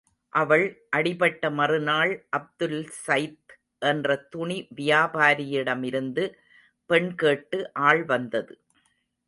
அவள் அடிபட்ட மறுநாள் அப்துல்சைத் என்ற துணி வியாபாரியிடமிருந்து பெண்கேட்டு ஆள்வந்தது.